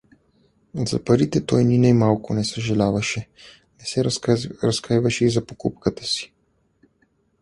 За парите той ни най-малко не съжаляваше, не се разкайваше и за покупката си.